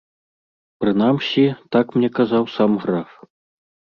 Прынамсі, так мне казаў сам граф.